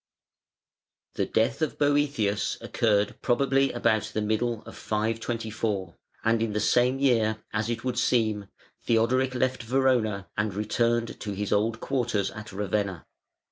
The death of Boëthius occurred probably about the middle of 524, and in the same year, as it would seem, Theodoric left Verona and returned to his old quarters at Ravenna.